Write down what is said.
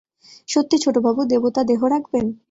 সত্যি ছোটবাবু, দেবতা দেহ রাখবেন?